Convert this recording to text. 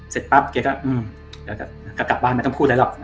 เสร็จปั๊บแกก็เดี๋ยวจะกลับบ้านไม่ต้องพูดอะไรหรอก